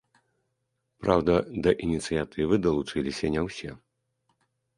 Праўда, да ініцыятывы далучыліся не ўсе.